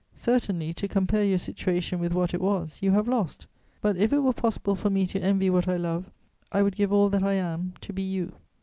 Certainly, to compare your situation with what it was, you have lost; but if it were possible for me to envy what I love, I would give all that I am to be you.